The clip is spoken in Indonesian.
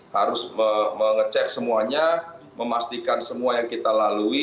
harus mengecek semuanya memastikan semua yang kita lalui